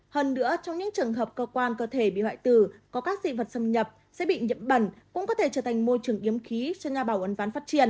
hơn nữa trong những trường hợp cơ quan cơ thể bị hoại tử có các dị vật xâm nhập sẽ bị nhiễm bẩn cũng có thể trở thành môi trường yếm khí cho nhà bảo uẩn ván phát triển